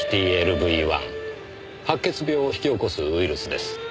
ＨＴＬＶ‐１白血病を引き起こすウイルスです。